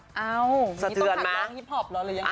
อ้าวต้องขัดล้างฮิปพอปเหรอหรือยังไงต้องแบบเหรอ